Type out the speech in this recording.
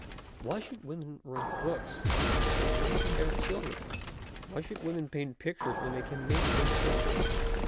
Why should women write books when they can bear children? Why should women paint pictures when they can make them selves?